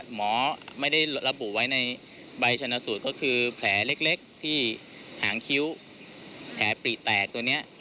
หมอไม่ได้ระบุไว้ในใบชนสูตรก็คือแผลเล็กที่หางคิ้วแผลปริแตกตัวนี้